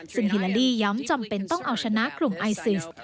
ซึ่งฮิลาลีย้ำจำเป็นต้องเอาชนะกลุ่มไอซิส